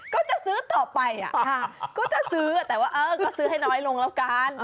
ก็จะซื้อต่อไปก็จะซื้อแต่ว่าก็ซื้อให้น้อยลงแล้วกัน